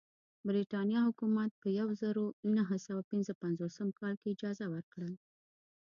برېټانیا حکومت په یوه زرو نهه سوه پنځه پنځوسم کال کې اجازه ورکړه.